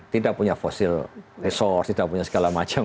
tidak punya fosil resource tidak punya segala macam